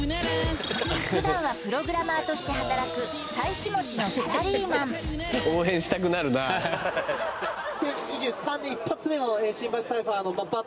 普段はプログラマーとして働く妻子持ちのサラリーマンレディーファイト！